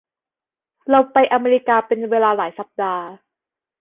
เราไปอเมริกาเป็นเวลาหลายสัปดาห์